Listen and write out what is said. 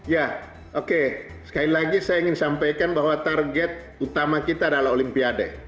ya oke sekali lagi saya ingin sampaikan bahwa target utama kita adalah olimpiade